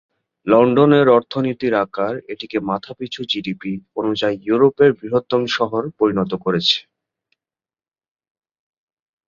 লন্ডনের অর্থনীতির আকার এটিকে মাথাপিছু জিডিপি অনুযায়ী ইউরোপের বৃহত্তম শহর পরিণত করেছে।